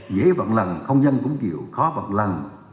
dễ bận lằn không dân cũng chịu khó bận lằn